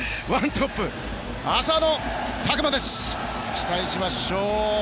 期待しましょう。